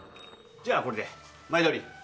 じゃあこれで毎度あり。